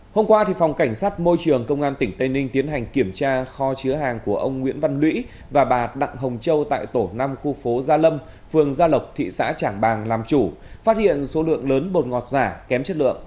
hôm qua phòng cảnh sát môi trường công an tỉnh tây ninh tiến hành kiểm tra kho chứa hàng của ông nguyễn văn lũy và bà đặng hồng châu tại tổ năm khu phố gia lâm phường gia lộc thị xã trảng bàng làm chủ phát hiện số lượng lớn bột ngọt giả kém chất lượng